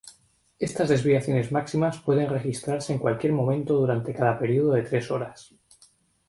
Estas desviaciones máximas pueden registrarse en cualquier momento durante cada periodo de tres horas.